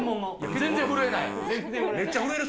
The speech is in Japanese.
全然震えない。